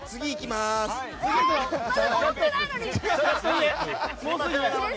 まだ登ってないのに！